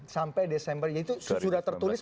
sampai desember itu sudah tertulis